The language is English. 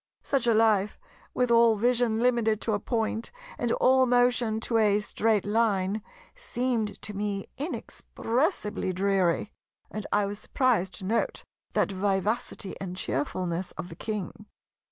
Such a life, with all vision limited to a Point, and all motion to a Straight Line, seemed to me inexpressibly dreary; and I was surprised to note that vivacity and cheerfulness of the King.